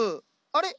あれ？